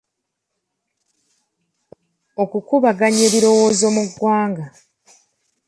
Okukubaganya ebirowoozo mu mawanga.